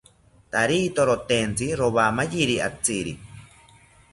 Tarito rotentsi rowamayiri atziri